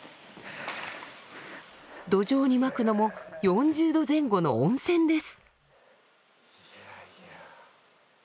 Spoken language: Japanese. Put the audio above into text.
土壌にまくのも４０℃前後の温泉です。